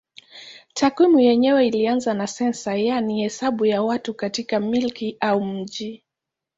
Takwimu yenyewe ilianza na sensa yaani hesabu ya watu katika milki au mji.